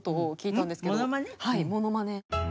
はいモノマネ。